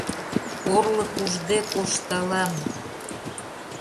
Орлык ужде кошталам.